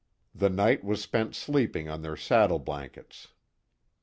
The night was spent sleeping on their saddle blankets.